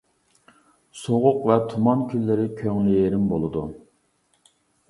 سوغۇق ۋە تۇمان كۈنلىرى كۆڭلى يېرىم بولىدۇ.